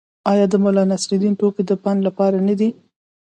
آیا د ملانصرالدین ټوکې د پند لپاره نه دي؟